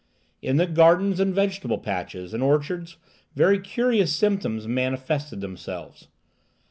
In the gardens and vegetable patches and orchards very curious symptoms manifested themselves.